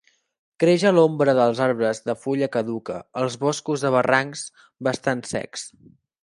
Creix a l'ombra dels arbres de fulla caduca, als boscos de barrancs bastant secs.